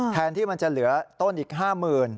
แทนที่มันจะเหลือต้นอีก๕๐๐๐บาท